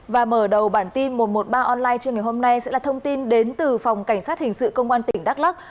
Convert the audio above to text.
và mở đầu bản tin một trăm một mươi ba online trên ngày hôm nay sẽ là thông tin đến từ phòng cảnh sát hình sự công an tỉnh đắk lắc